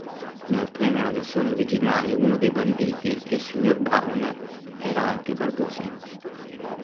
Inoltre, nella versione originale uno dei banditi, il sig. Brown, era anche balbuziente.